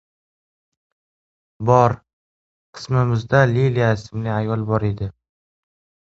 – Bor. Qismimizda Liliya ismli ayol bor edi.